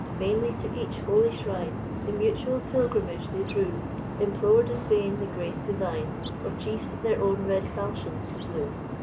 vainly to each holy shrine In muttral pilgrinoage they drew, Implored in vain the grace divine ; For^chiefs, their own red falchions slew.